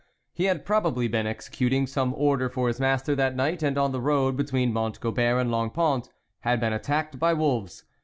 He had probably been executing some order for his master that night, and on the road between Mont Gobert and Longpont, had been attacked by wolves.